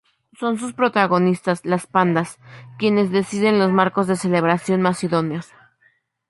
Son sus protagonistas, las pandas, quienes deciden los marcos de celebración más idóneos.